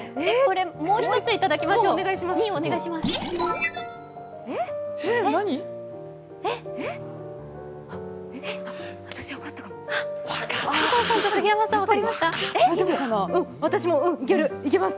もう一ついただきましょう、２お願いします。